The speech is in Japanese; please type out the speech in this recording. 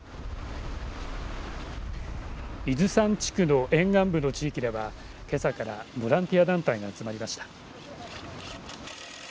伊豆山地区の沿岸部の地域ではけさからボランティア団体が集まりました。